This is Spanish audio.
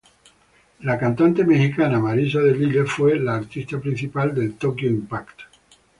La cantante mexicana Marisa de Lille fue la artista principal del Tokyo Impact!